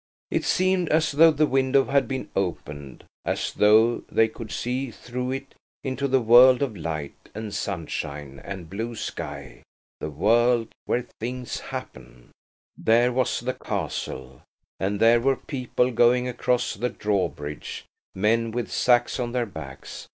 It seemed as though the window had been opened–as though they could see through it into the world of light and sunshine and blue sky–the world where things happen. There was the castle, and there were people going across the drawbridge–men with sacks on their backs.